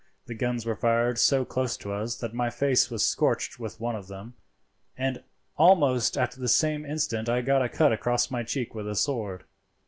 The guns were fired so close to us that my face was scorched with one of them, and almost at the same instant I got a cut across my cheek with a sword.